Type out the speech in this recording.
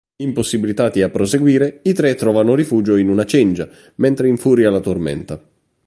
Impossibilitati a proseguire, i tre trovano rifugio in una cengia, mentre infuria la tormenta.